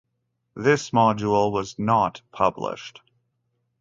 This module was not published.